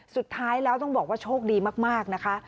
สุดท้ายแล้วต้องบอกว่าโชคดีมากนะคะ